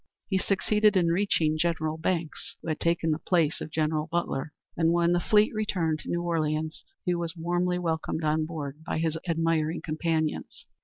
He succeeded in reaching General Banks, who had taken the place of General Butler, and when the fleet returned to New Orleans, he was warmly welcomed on board by his admiring companions.